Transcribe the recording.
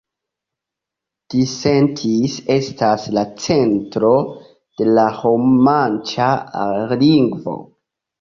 Disentis estas la centro de la romanĉa lingvo.